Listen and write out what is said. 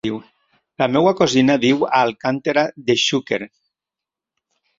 La meva cosina viu a Alcàntera de Xúquer.